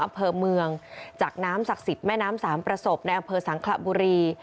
อำเภอเมืองจากน้ำศักดิ์สิทธิ์แม่น้ำสามประสบในอำเภอสังขระบุรี